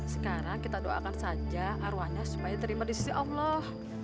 sekarang kita doakan saja arwahnya supaya terima di sisi allah